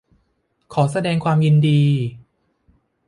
ขอแสดงความยินดี